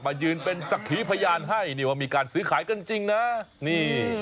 ยืนเป็นสักขีพยานให้นี่ว่ามีการซื้อขายกันจริงนะนี่